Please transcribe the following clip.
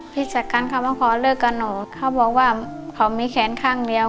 ที่สำคัญเขามาขอเลิกกับหนูเขาบอกว่าเขามีแขนข้างเดียว